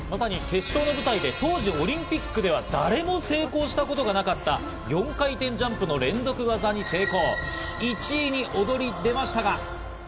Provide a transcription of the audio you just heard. まさに決勝の舞台で当時、オリンピックでは誰も成功したことがなかった４回転ジャンプの連続技に成功。